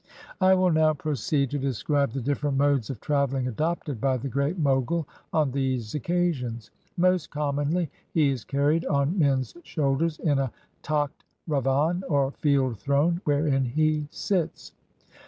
I will now proceed to describe the different modes of traveling adopted by the Great Mogul on these occa sions. Most commonly, he is carried on men's shoulders in a tact ravan, or field throne, wherein he sits.